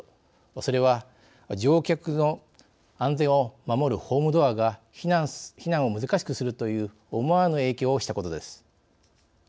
それは、乗客の安全を守るホームドアが、避難を難しくするという思わぬ影響をしたことです。